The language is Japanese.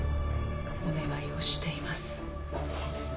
お願いをしています。